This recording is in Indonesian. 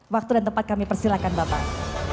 waktu dan tempat kami persilahkan bapak